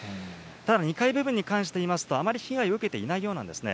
２階部分に関していいますと、あまり被害を受けていないようなんですね。